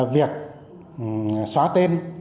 việc xóa tên